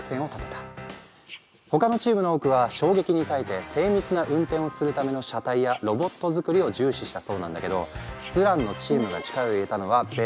他のチームの多くは衝撃に耐えて精密な運転をするための車体やロボット作りを重視したそうなんだけどスランのチームが力を入れたのは別のことだったの。